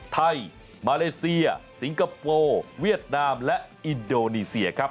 ไทยมาเลเซียสิงคโปร์เวียดนามและอินโดนีเซียครับ